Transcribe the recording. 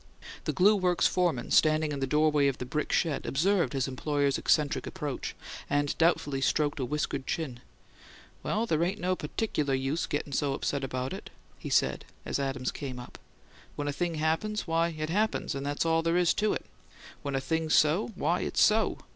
The glue works foreman, standing in the doorway of the brick shed, observed his employer's eccentric approach, and doubtfully stroked a whiskered chin. "Well, they ain't no putticular use gettin' so upset over it," he said, as Adams came up. "When a thing happens, why, it happens, and that's all there is to it. When a thing's so, why, it's so.